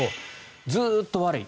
ずっと悪い。